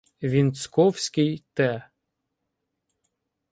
Вінцковський Т.